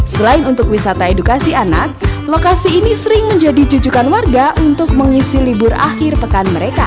selain untuk wisata edukasi anak lokasi ini sering menjadi jujukan warga untuk mengisi libur akhir pekan mereka